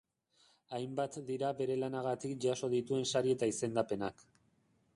Hainbat dira bere lanagatik jaso dituen sari eta izendapenak.